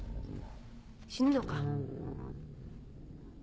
死ぬのか。